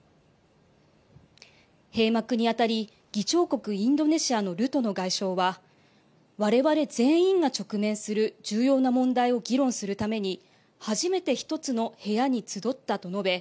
閉幕にあたり議長国インドネシアのルトノ外相はわれわれ全員が直面する重要な問題を議論するために初めて一つの部屋に集ったと述べ